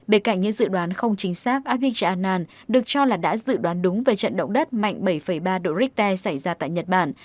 bên cạnh những dự đoán không chính xác abich anan được cho là đã dự đoán đúng về trận động đất mạnh bảy ba độ richter xảy ra tại nhật bản